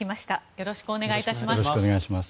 よろしくお願いします。